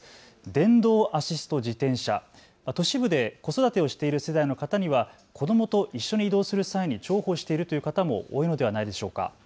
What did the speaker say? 電動アシスト自転車、都市部で子育てをしてている世代の方には子どもと一緒に移動する際に重宝しているという方も多いのではないでしょうか。